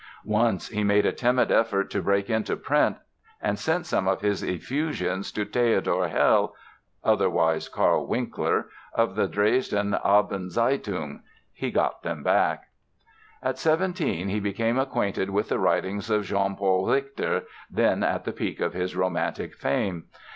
Once he made a timid effort to break into print and sent some of his effusions to Theodor Hell (otherwise Karl Winkler), of the Dresden Abendzeitung. He got them back. A 17 he became acquainted with the writings of Jean Paul Richter, then at the peak of his romantic fame.